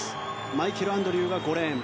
マイケル・アンドリューが５レーン。